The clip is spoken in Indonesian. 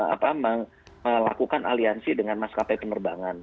apa melakukan aliansi dengan maskapai penerbangan